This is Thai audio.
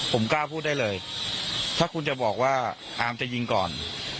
ผมกล้าพูดได้เลยถ้าคุณจะบอกว่าอามจะยิงก่อน